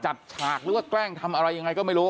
จัดฉากหรือแกล้งทำอะไรอย่างไรก็ไม่รู้